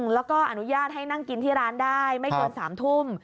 แล้วก็อนุญาตให้นั่งกินที่ร้านได้ไม่เกิน๓ทุ่ม